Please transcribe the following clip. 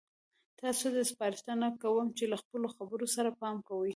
تاسو ته سپارښتنه کوم چې له خپلو خبرو سره پام کوئ.